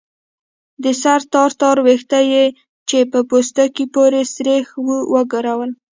د سر تار تار ويښته يې چې په پوستکي پورې سرېښ وو وګرول.